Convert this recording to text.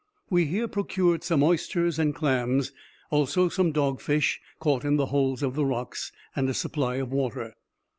We here procured some oysters and clams, also some dog fish caught in the holes of the rocks, and a supply of water.